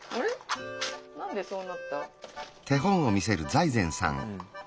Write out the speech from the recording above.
何でそうなった？